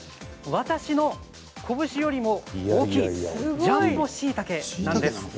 私の拳よりも大きいジャンボしいたけなんです。